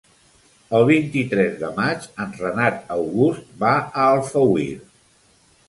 El vint-i-tres de maig en Renat August va a Alfauir.